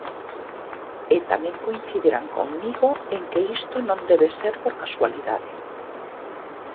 E tamén coincidirán comigo en que isto non debe ser por casualidade.